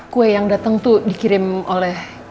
kue yang datang tuh dikirim oleh